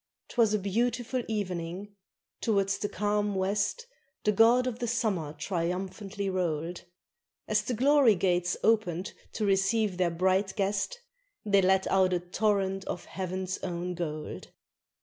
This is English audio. _ 'Twas a beautiful evening: towards the calm west The god of the summer triumphantly rolled; As the glory gates oped to receive their bright guest They let out a torrent of heaven's own gold.